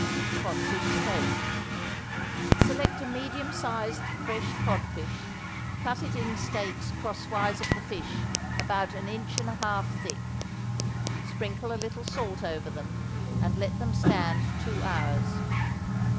=Codfish Steak.= Select a medium sized fresh codfish, cut it in steaks crosswise of the fish about an inch and a half thick; sprinkle a little salt over them, and let them stand two hours.